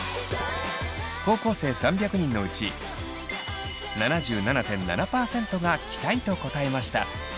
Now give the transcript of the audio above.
高校生３００人のうち７７．７％が着たいと答えました。